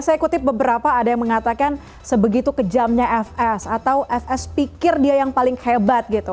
saya kutip beberapa ada yang mengatakan sebegitu kejamnya fs atau fs pikir dia yang paling hebat gitu